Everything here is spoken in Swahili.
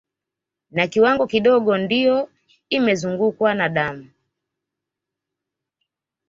Na kiwango kidogo ndio imezungukwa na damu